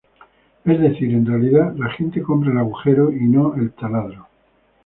Es decir, en realidad la gente compra el "agujero" y no el taladro.